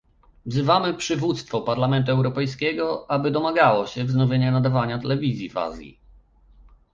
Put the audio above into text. Wzywamy przywództwo Parlamentu Europejskiego, aby domagało się wznowienia nadawania tej telewizji w Azji